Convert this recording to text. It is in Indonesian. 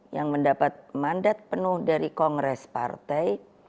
yang mendapat mandat penuh dari kongres partai